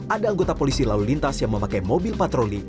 ada anggota polisi lalu lintas yang memakai mobil patroli